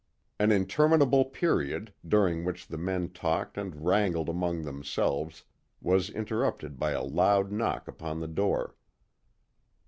An interminable period, during which the men talked and wrangled among themselves, was interrupted by a loud knock upon the door.